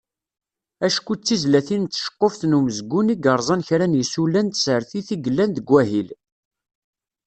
Acku d tizlatin d tceqquft n umezgun i yerẓan kra n yisula n tsertit i yellan deg wahil.